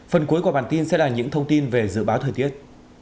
phần cuối của bản tin sẽ là những thông tin về dự báo thời tiết